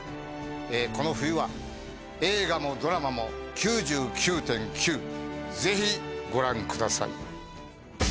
この冬は映画もドラマも「９９．９」ぜひご覧ください